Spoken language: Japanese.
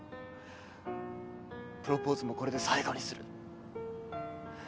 プロポーズもこれで最後にする。